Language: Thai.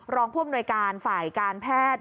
รองพ่วนบนวยการฝ่ายการแพทย์